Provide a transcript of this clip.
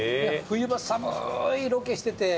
冬場寒ーいロケしてて。